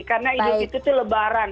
karena idul fitri itu lebaran